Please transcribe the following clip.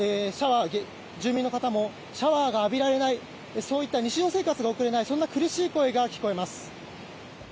住民の方もシャワーが浴びられないそういった日常生活が送れないそんな苦しい声が聞かれます。